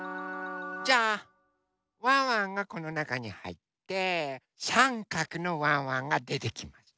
じゃあワンワンがこのなかにはいってさんかくのワンワンがでてきます。